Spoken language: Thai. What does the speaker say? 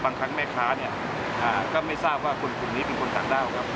บางครั้งแม่ค้าก็ไม่ทราบว่าฝนปุ่มนี้เป็นคนต่างด้า